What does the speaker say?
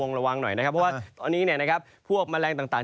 ระวังหน่อยนะครับเพราะว่าตอนนี้พวกแมลงต่าง